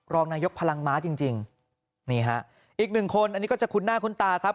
รองนายกพลังม้าจริงจริงนี่ฮะอีกหนึ่งคนอันนี้ก็จะคุ้นหน้าคุ้นตาครับ